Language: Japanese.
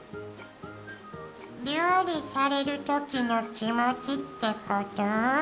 料理されるときの気持ちってこと？